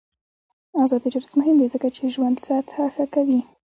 آزاد تجارت مهم دی ځکه چې ژوند سطح ښه کوي.